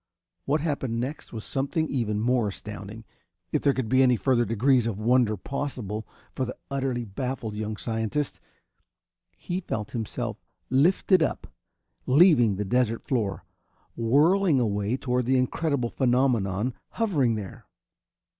What happened next was something even more astounding, if there could be any further degrees of wonder possible for the utterly baffled young scientist. He felt himself lifted up, leaving the desert floor, whirling away toward that incredible phenomenon hovering there.